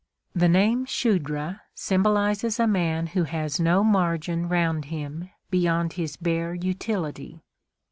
The name Shudra symbolises a man who has no margin round him beyond his bare utility.